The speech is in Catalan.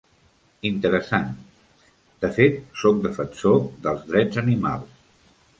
Interessant... De fet sóc defensor dels drets animals.